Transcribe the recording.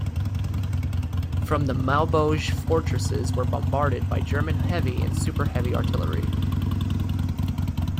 From the Maubeuge fortresses were bombarded by German heavy and super-heavy artillery.